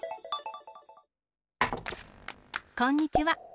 こんにちは。